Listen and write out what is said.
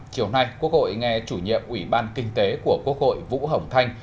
chiều nay quốc hội nghe chủ nhiệm ủy ban kinh tế của quốc hội vũ hồng thanh